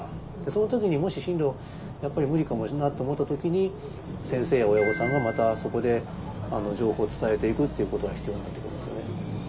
その時にもし進路やっぱり無理かもなと思った時に先生や親御さんがまたそこで情報を伝えていくっていうことが必要になってきますよね。